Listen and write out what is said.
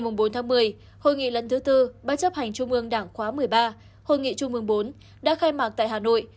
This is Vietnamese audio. ngày bốn một mươi hội nghị lần thứ tư bán chấp hành trung mương đảng khóa một mươi ba hội nghị trung mương bốn đã khai mạc tại hà nội